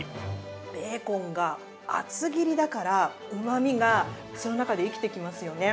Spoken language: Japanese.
ベーコンが厚切りだから、うまみが口の中で生きてきますよね。